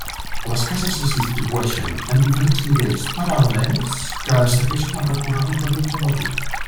Les cases es distribueixen en diferents nivells paral·lels que segueixen el recorregut abrupte del riu.